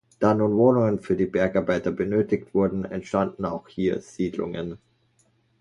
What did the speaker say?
Da nun Wohnungen für die Bergarbeiter benötigt wurden, entstanden auch hier Siedlungen.